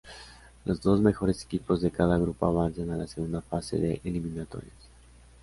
Los dos mejores equipos de cada grupo avanzan a la segunda fase, de eliminatorias.